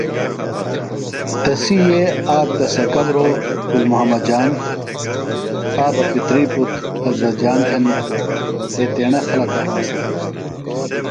تسیئے آک تہ سکہ بھرو گُل محمد جان، آک بہ پِتری پُتر حضرت جان تھنیۡ، ایتیݨہ خلکہ ہینسِلہ دےۡ